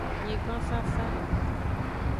Nyigban fafa.